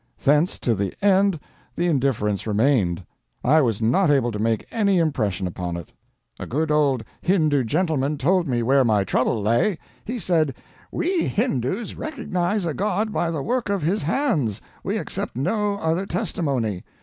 Thence to the end the indifference remained; I was not able to make any impression upon it. "A good old Hindoo gentleman told me where my trouble lay. He said 'We Hindoos recognize a god by the work of his hands we accept no other testimony.